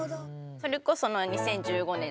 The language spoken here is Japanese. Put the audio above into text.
それこそ２０１５年